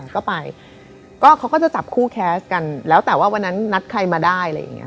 เขาก็จะจับคู่แคสกันแล้วแต่ว่าวันนั้นนัดใครมาได้